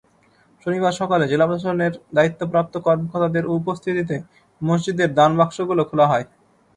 শনিবার সকালে জেলা প্রশাসনের দায়িত্বপ্রাপ্ত কর্মকর্তাদের উপস্থিতিতে মসজিদের দানবাক্সগুলো খোলা হয়।